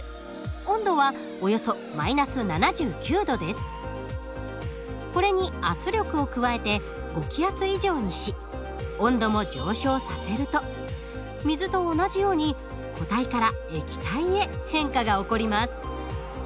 温度はこれに圧力を加えて５気圧以上にし温度も上昇させると水と同じように固体から液体へ変化が起こります。